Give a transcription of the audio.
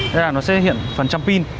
đây là nó sẽ hiện phần trăm pin